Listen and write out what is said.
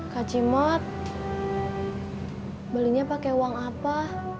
kak cimat belinya pakai uang apa